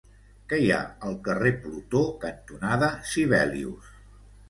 Què hi ha al carrer Plutó cantonada Sibelius?